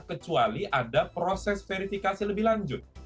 kecuali ada proses verifikasi lebih lanjut